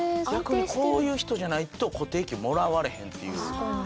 逆にこういう人じゃないと固定給もらわれへんっていう。